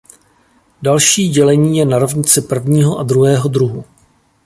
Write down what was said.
Další dělení je na rovnice prvního a druhého druhu.